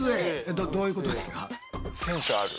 どどういうことですか？